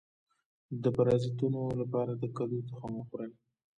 د پرازیتونو لپاره د کدو تخم وخورئ